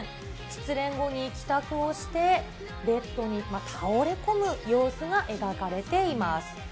失恋後に帰宅をして、ベッドに倒れ込む様子が描かれています。